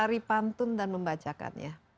mencari pantun dan membacakannya